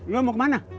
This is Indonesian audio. lu mau kemana